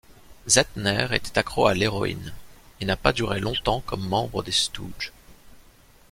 Zettner était accro à l'héroïne, et n'a pas duré longtemps comme membre des Stooges.